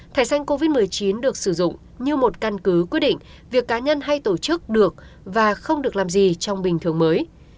thẻ xanh covid một mươi chín được sử dụng như một căn cứ quyết định việc cá nhân hay tổ chức được và không được làm gì trong bình thường mới